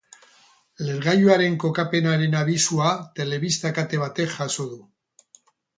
Lehergailuaren kokapenaren abisua telebista kate batek jaso du.